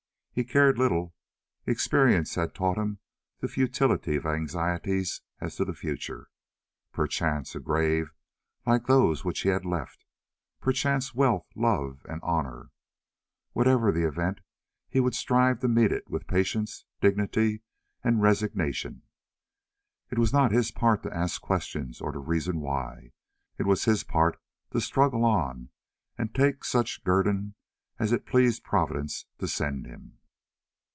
He cared little; experience had taught him the futility of anxieties as to the future. Perchance a grave like those which he had left, perchance wealth, love, and honour. Whatever the event he would strive to meet it with patience, dignity, and resignation. It was not his part to ask questions or to reason why; it was his part to struggle on and take such guerdon as it pleased Providence to send him.